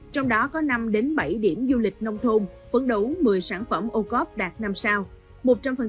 trong đó có năm bảy điểm du lịch nông thôn phấn đấu một mươi sản phẩm ô cóp đạt năm sao